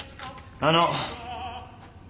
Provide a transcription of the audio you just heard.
あの！